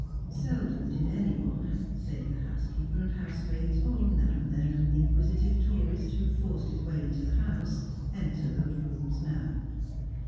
Seldom did any one, save the housekeeper and housemaids, or now and then an inquisitive tourist who forced his way into the house, enter those rooms now.